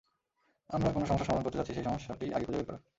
আমরা কোন সমস্যা সমাধান করতে যাচ্ছি সেই সমস্যাটিই আগে খুঁজে বের করা।